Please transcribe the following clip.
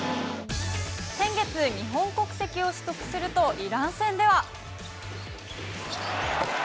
先月、日本国籍を取得すると、イラン戦では。